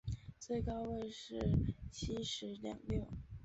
最高位是西十两六。